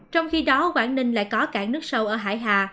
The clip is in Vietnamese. trong khi đó quảng ninh lại có cảng nước sâu ở hải hà